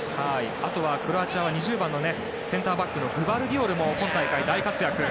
あとはクロアチアは２０番のセンターバックグバルディオルも今大会大活躍。